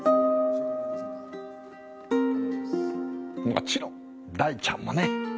もちろん大ちゃんもね。